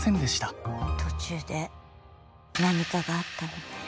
途中で何かがあったんだね。